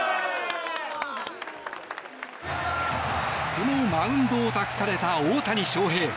そのマウンドを託された大谷翔平。